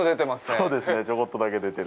そうですね、ちょこっとだけ出てる。